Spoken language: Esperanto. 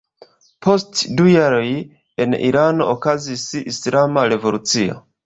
Post du jaroj en Irano okazis Islama Revolucio.